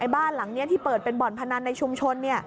บ้านหลังนี้ที่เปิดเป็นบ่อนพนันในชุมชน